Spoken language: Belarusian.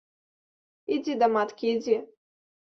Ідзі да маткі, ідзі.